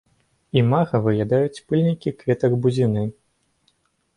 Імага выядаюць пыльнікі кветак бузіны.